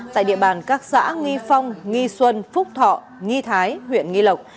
tại địa bàn các xã nghi phong nghi xuân phúc thọ nghi thái huyện nghi lộc